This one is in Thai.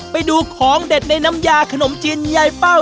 ไปดูของเด็ดในน้ำยาขนมจีนยายเป้า